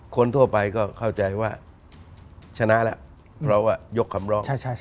คนทั่วไปก็เข้าใจว่าชนะแล้วเพราะว่ายกคำร้อง